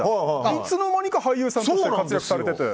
いつの間にか俳優さんとして活躍されてて。